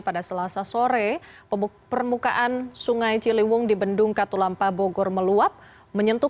pada selasa sore permukaan sungai ciliwung di bendung katulampa bogor meluap menyentuh